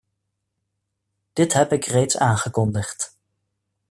Dit heb ik reeds aangekondigd.